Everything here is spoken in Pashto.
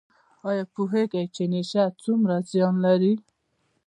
ایا پوهیږئ چې نشه څومره زیان لري؟